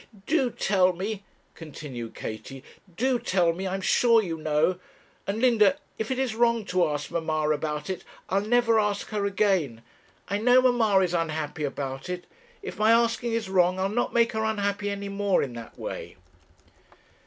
'Do tell me,' continued Katie, 'do tell me I am sure you know; and, Linda, if it is wrong to ask mamma about it, I'll never, never ask her again. I know mamma is unhappy about it. If my asking is wrong, I'll not make her unhappy any more in that way.'